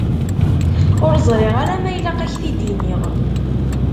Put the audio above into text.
Ur ẓriɣ ma ilaq ad k-t-id-iniɣ.